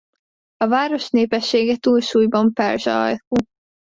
A város népessége túlsúlyban perzsa-ajkú.